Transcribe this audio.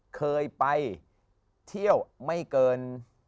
เคยไปเที่ยวไม่เกิน